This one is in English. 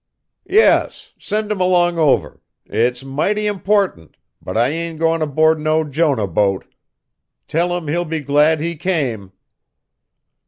"Yes, send him along over. It's mighty important, but I ain't goin' aboard no Jonah boat. Tell him he'll be glad he came."